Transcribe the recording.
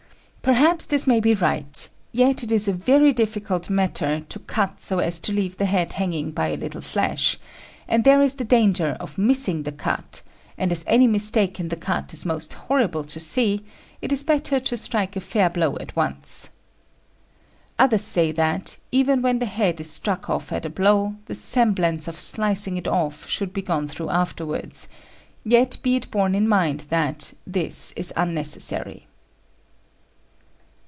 Perhaps this may be right; yet it is a very difficult matter to cut so as to leave the head hanging by a little flesh, and there is the danger of missing the cut; and as any mistake in the cut is most horrible to see, it is better to strike a fair blow at once. Others say that, even when the head is struck off at a blow, the semblance of slicing it off should be gone through afterwards; yet be it borne in mind that; this is unnecessary.